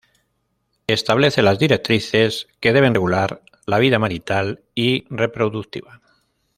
Establece las directrices que deben regular la vida marital y reproductiva.